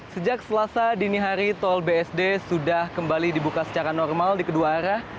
sejak selasa dini hari tol bsd sudah kembali dibuka secara normal di kedua arah